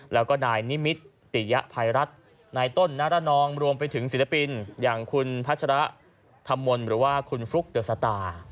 แล้วก็นายนิมิตติยภัยรัฐนายต้นนรนองรวมไปถึงศิลปินอย่างคุณพัชระธรรมมนต์หรือว่าคุณฟลุ๊กเดอะสตาร์